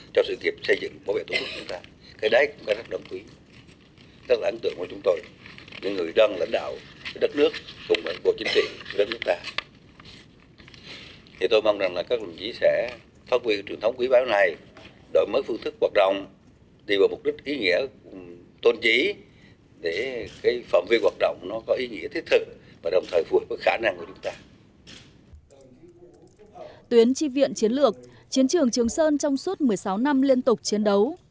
tuyến tri viện chiến lược chiến trường trường sơn trong suốt một mươi sáu năm liên tục chiến đấu